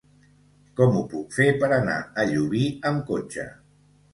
Com ho puc fer per anar a Llubí amb cotxe?